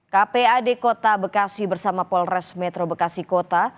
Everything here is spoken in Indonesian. kpad kota bekasi bersama polres metro bekasi kota